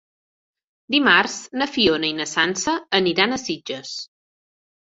Dimarts na Fiona i na Sança aniran a Sitges.